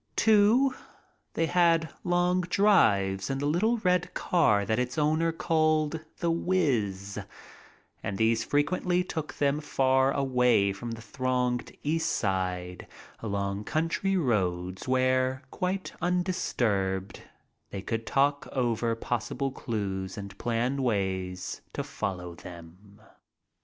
Too, they had long drives in the little red car that its owner called "The Whizz," and these frequently took them far away from the thronged East Side along country roads where, quite undisturbed, they could talk over possible clues and plan ways to follow them.